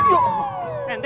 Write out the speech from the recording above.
eh cepetan ya